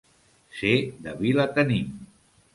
Ser de Vilatenim.